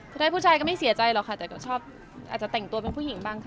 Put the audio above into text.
ได้ผู้ชายก็ไม่เสียใจหรอกค่ะแต่ก็ชอบอาจจะแต่งตัวเป็นผู้หญิงบ้างค่ะ